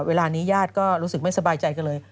เวลานี้ญาติก็รู้สึกไม่สบายใจกันเลย